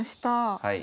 はい。